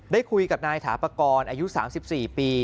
ได้คุยกับนายถาปกรณ์อายุ๓๔ปี